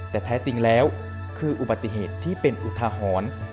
แต่แท้จริงแล้วคืออุบัติเหตุที่เป็นอุทาหรณ์